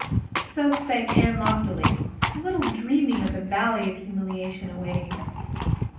So spake Anne loftily, little dreaming of the valley of humiliation awaiting her.